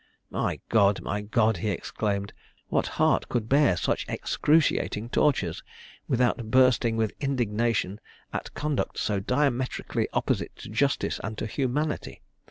"My God! my God!" he exclaimed, "what heart could bear such excruciating tortures, without bursting with indignation at conduct so diametrically opposite to justice and to humanity.